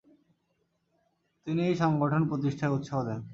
তিনি এই সংগঠন প্রতিষ্ঠায় উৎসাহ দেন।